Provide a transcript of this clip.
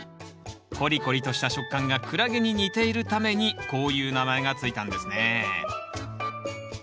コリコリとした食感がクラゲに似ているためにこういう名前が付いたんですね。